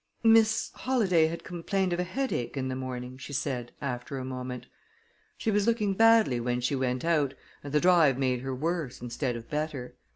"Miss Holladay had complained of a headache in the morning," she said, after a moment. "She was looking badly when she went out, and the drive made her worse instead of better.